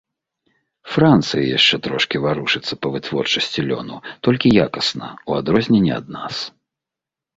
Францыя яшчэ трошкі варушыцца па вытворчасці лёну, толькі якасна ў адрозненне ад нас.